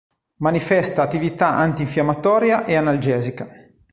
Manifesta attività antinfiammatoria e analgesica.